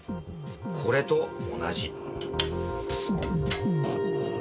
これと同じ。